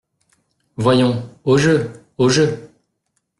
Voyons ! au jeu ! au jeu !